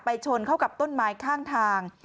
ชนเข้ากับต้นไม้ข้างทาง